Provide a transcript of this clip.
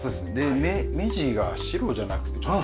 目地が白じゃなくてちょっと黄色っぽく。